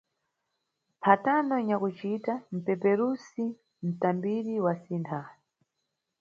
Mphatano nyakucita- mpeperusi –mtambiri wasintha.